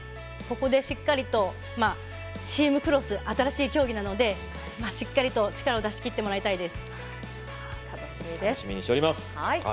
ここでしっかりとチームクロス、新しい競技なのでしっかりと力を出し切って楽しみです。